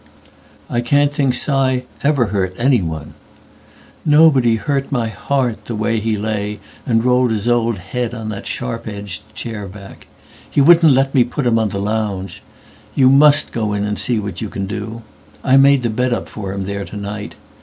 "I can't think Si ever hurt anyone.""No, but he hurt my heart the way he layAnd rolled his old head on that sharp edged chair back. He wouldn't let me put him on the lounge. You must go in and see what you can do.I made the bed up for him there to night.